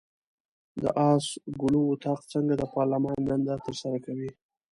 د آس ګلو اطاق څنګه د پارلمان دنده ترسره کوي؟